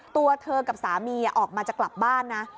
ตัวเธอกับสามีออกมาจะกลับบ้านนะ